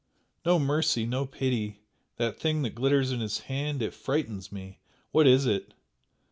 "No mercy, no pity! That thing that glitters in his hand it frightens me what is it?